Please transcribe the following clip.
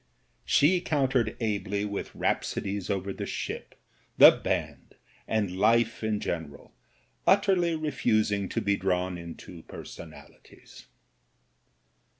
She countered ably with i66 MEN, WOMEN AND GUNS rhapsodies over the ship, the band, and life in general, utterly refusing to be drawn into personalities.